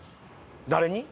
誰に？